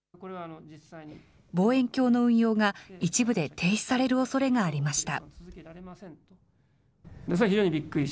望遠鏡の運用が一部で停止されるおそれがありました。